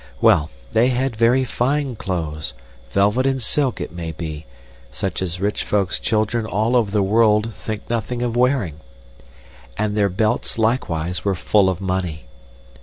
Well, they had very fine clothes velvet and silk, it may be, such as rich folks' children all over the world think nothing of wearing and their belts, likewise, were full of money.